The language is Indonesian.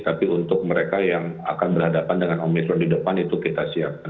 tapi untuk mereka yang akan berhadapan dengan omikron di depan itu kita siapkan